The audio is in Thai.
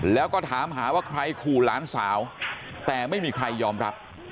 แล้วก็ถามหาว่าใครขู่หลานสาวแต่ไม่มีใครยอมรับ